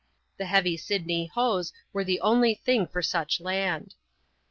The heavy Sydney hoea were the only thing for such land.